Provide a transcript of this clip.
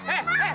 mak mak mak